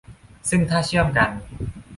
ซึ่งถ้าเชื่อมกัน